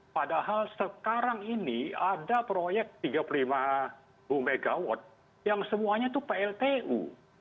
padahal sekarang ini ada proyek tiga puluh lima mw yang semuanya itu pltu